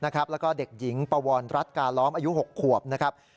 แล้วก็เด็กหญิงปวรรัฐกาล้อมอายุ๖ขวบนะครับ